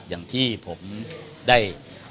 อย่างที่ผมได้